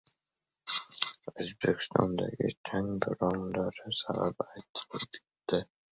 O‘zbekistondagi chang bo‘ronlari sababi aytildi